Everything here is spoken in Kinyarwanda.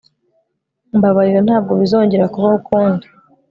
Mbabarira Ntabwo bizongera kubaho ukundi